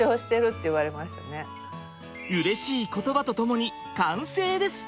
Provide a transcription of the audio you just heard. うれしい言葉とともに完成です！